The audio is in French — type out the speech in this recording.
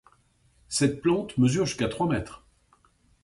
Cette plante mesure jusqu'à trois mètres.